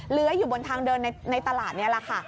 เหลืออยู่บนทางเดินในตลาดนี่แหละค่ะ